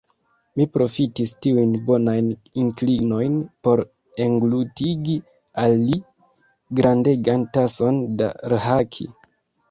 Mi profitis tiujn bonajn inklinojn por englutigi al li grandegan tason da rhaki.